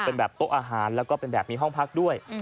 เป็นแบบโต๊ะอาหารแล้วก็เป็นแบบมีห้องพักด้วย